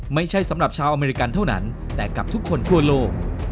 ไม่ใช่สำหรับชาวอเมริกันเท่านั้นแต่กับทุกคนทั่วโลก